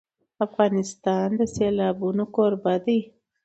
افغانستان د سیلابونه کوربه دی.